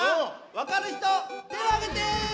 わかるひとてをあげて！